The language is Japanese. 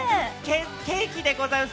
ケーキでございます。